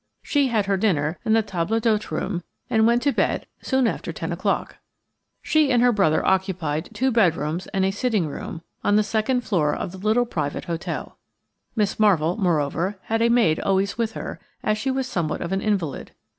She had her dinner in the table d'hôte room, and went to bed soon after 10.0. She and her brother occupied two bedrooms and a sitting room on the second floor of the little private hotel. Miss Marvell, moreover, had a maid always with her, as she was somewhat of an invalid.